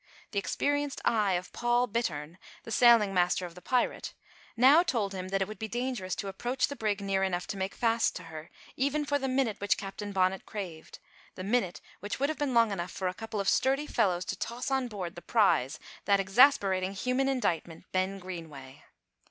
The experienced eye of Paul Bittern, the sailing master of the pirate, now told him that it would be dangerous to approach the brig near enough to make fast to her, even for the minute which Captain Bonnet craved the minute which would have been long enough for a couple of sturdy fellows to toss on board the prize that exasperating human indictment, Ben Greenway.